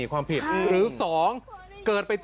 พ่อออกมามอบตัวเถอะลูกน่ะร้องไห้คุณผู้ชม